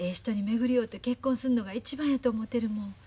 人に巡り合うて結婚するのが一番やと思てるもん。